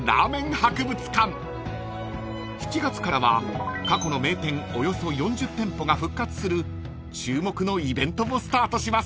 ［７月からは過去の名店およそ４０店舗が復活する注目のイベントもスタートします］